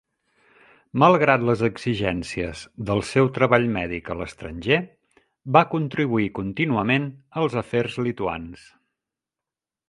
Malgrat les exigències del seu treball mèdic a l'estranger, va contribuir contínuament als afers lituans.